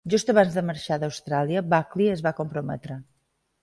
Just abans de marxar d'Austràlia, Buckley es va comprometre.